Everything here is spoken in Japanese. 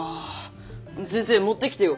先生持ってきてよ！